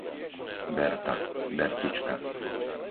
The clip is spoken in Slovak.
Berta, Bertička